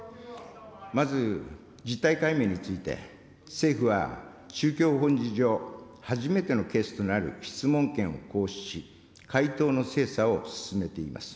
まず実態解明について、政府は宗教法人上、初めてのケースとなる質問権を行使し、回答の精査を進めています。